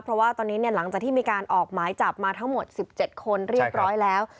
เพราะว่าตอนนี้หลังจากที่มีการออกหมายจับมาทั้งหมด๑๗คนเรียบร้อยแล้ว